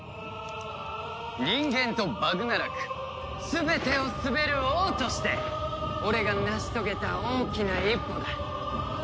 人間とバグナラク全てを統べる王として俺が成し遂げた大きな一歩だ。